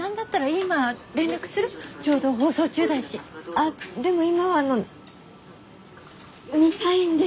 あでも今はあの見たいんで。